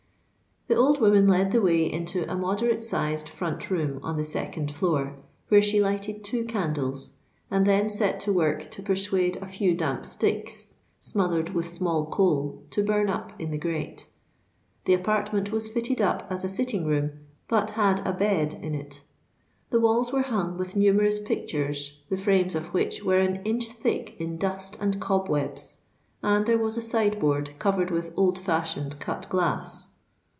The old woman led the way into a moderate sized front room on the second floor, where she lighted two candles, and then set to work to persuade a few damp sticks smothered with small coal to burn up in the grate. The apartment was fitted up as a sitting room, but had a bed in it. The walls were hung with numerous pictures the frames of which were an inch thick in dust and cob webs; and there was a side board covered with old fashioned cut glass.